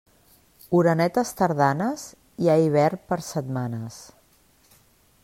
Orenetes tardanes, hi ha hivern per setmanes.